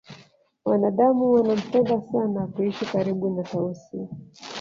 wanadamu wanampenda sana kuishi karibu na tausi